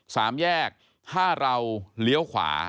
สามแยกถ้าเราเลี้ยวขวา